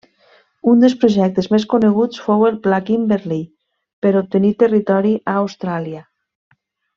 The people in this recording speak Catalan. Un dels projectes més coneguts fou el Pla Kimberley, per obtenir territori a Austràlia.